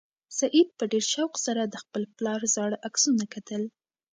سعید په ډېر شوق سره د خپل پلار زاړه عکسونه کتل.